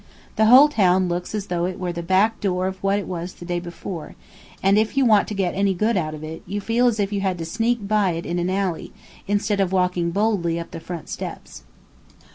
The whole town looks as if it was the back door of what it was the day before, and if you want to get any good out of it, you feel as if you had to sneak in by an alley, instead of walking boldly up the front steps.